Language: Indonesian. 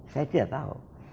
saya tidak tahu